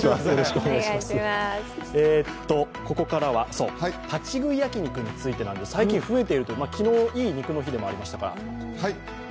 ここからは立ち食い焼き肉についてなんですが、最近増えているという、昨日、いい肉の日でもありましたから。